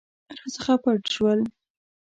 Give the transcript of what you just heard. راڅخه پټ شول.